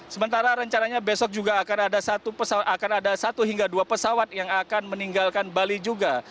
sementara rencananya besok juga akan ada satu hingga dua pesawat yang akan meninggalkan bali juga